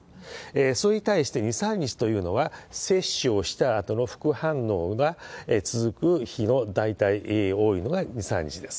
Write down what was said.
それに対して２、３日というのは、接種をしたあとの副反応が続く日の大体多いのが２、３日です。